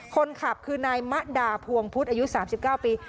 คนขับคือนายมะดาพวงพุทธอายุ๓๙ปี